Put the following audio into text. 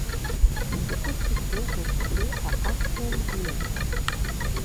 Ces constructions sont situées à Hartmannswiller.